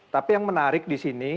tapi yang menarik di sini